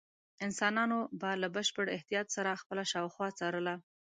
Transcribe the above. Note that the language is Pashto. انسانانو به له بشپړ احتیاط سره خپله شاوخوا څارله.